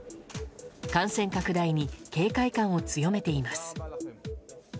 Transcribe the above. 感染拡大に警戒感を強めています。